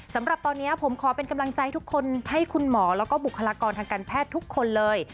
สำหรับตอนนี้ผมขอเป็นกำลังใจทุกคนให้คุณหมอแล้วก็บุคลากรทางการแพทย์ทุกคนเลย